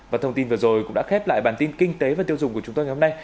và thông tin vừa rồi cũng đã khép lại bản tin kinh tế và tiêu dùng của chúng tôi ngày hôm nay